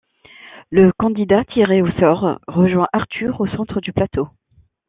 Le candidat tiré au sort rejoint Arthur au centre du plateau.